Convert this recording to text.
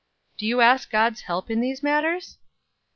"Do you ask God's help in these matters?"